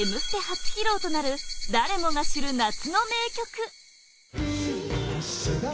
初披露となる誰もが知る夏の名曲